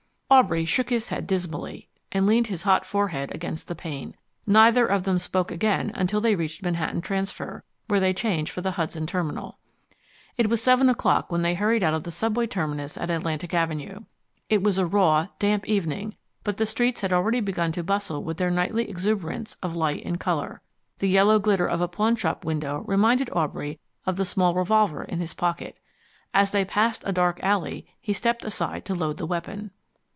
Aubrey shook his head dismally, and leaned his hot forehead against the pane. Neither of them spoke again until they reached Manhattan Transfer, where they changed for the Hudson Terminal. It was seven o'clock when they hurried out of the subway terminus at Atlantic Avenue. It was a raw, damp evening, but the streets had already begun to bustle with their nightly exuberance of light and colour. The yellow glitter of a pawnshop window reminded Aubrey of the small revolver in his pocket. As they passed a dark alley, he stepped aside to load the weapon.